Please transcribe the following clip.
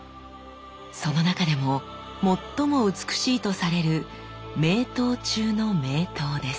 その中でも最も美しいとされる名刀中の名刀です。